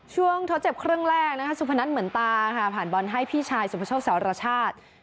ช่วงทดเจ็บครึ่งแรกซุภนัทเหมือนตาผ่านบอลให้พี่ชายซุภเช่าแสวรชาติ